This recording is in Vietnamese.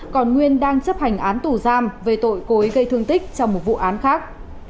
còn nguyên đang chấp hành án tù giam về tội cối gây thương tích trong một vụ án khác